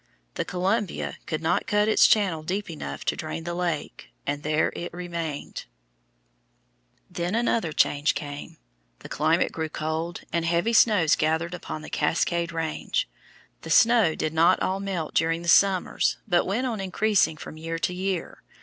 The Columbia could not cut its channel deep enough to drain the lake, and there it remained. [Illustration: FIG. 60. LOOKING DOWN LAKE CHELAN FROM THE UPPER END] Then another change came: the climate grew cold and heavy snows gathered upon the Cascade Range. The snow did not all melt during the summers, but went on increasing from year to year.